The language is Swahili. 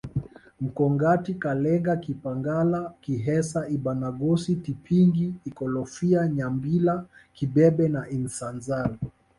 Makongati Kalenga kipagala kihesa Ibanagosi Tipingi Ikolofya Nyambila kibebe na Isanzala